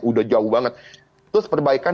udah jauh banget terus perbaikan